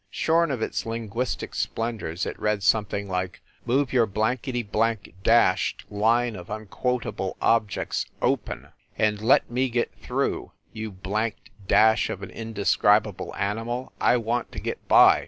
Shorn of its linguistic splendors it read something like: "Move your blankety blank dashed line of unquotable objects open, and let me get through, you blanked dash of an indescribable animal, I want to get by